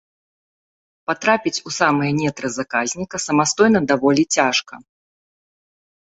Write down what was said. Патрапіць у самыя нетры заказніка самастойна даволі цяжка.